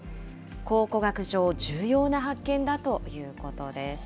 考古学上、重要な発見だということです。